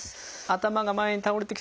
頭が前に倒れて。